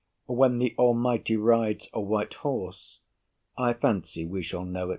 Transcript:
When the Almighty Rides a white horse, I fancy we shall know it.